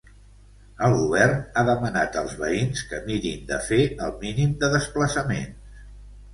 El govern ha demanat als veïns que mirin de fer el mínim de desplaçaments.